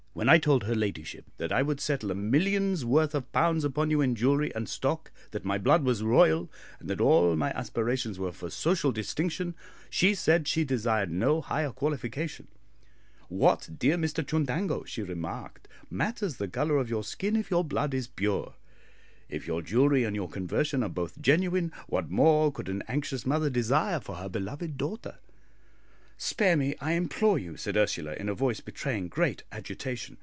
"When I told her ladyship that I would settle a million's worth of pounds upon you in jewellery and stock, that my blood was royal, and that all my aspirations were for social distinction, she said she desired no higher qualification. 'What, dear Mr Chundango,' she remarked, 'matters the colour of your skin if your blood is pure? If your jewellery and your conversion are both genuine, what more could an anxious mother desire for her beloved daughter?'" "Spare me, I implore you," said Ursula, in a voice betraying great agitation.